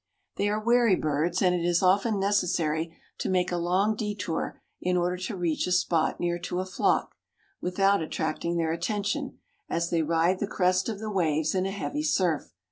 They are wary birds and it is often necessary to make a long detour in order to reach a spot near to a flock, without attracting their attention, as they ride the crest of the waves in a heavy surf.